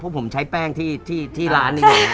เพราะผมใช้แป้งที่ร้านนี่แหละ